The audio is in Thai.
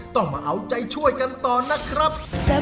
ต้องมาเอาใจช่วยกันต่อนะครับ